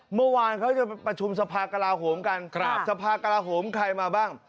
เมื่อวานเขาจะประชุมสภากลาโหมกันสภากราโหมใครมาบ้าง